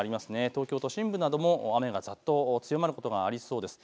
東京都心部なども雨がざっと強まることがありそうです。